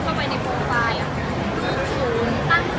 ช่องความหล่อของพี่ต้องการอันนี้นะครับ